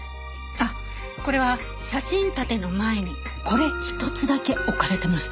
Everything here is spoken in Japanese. あっこれは写真立ての前にこれ一つだけ置かれてました。